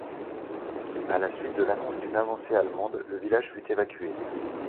À la suite de l'annonce d'une avancée allemande, le village fut évacué.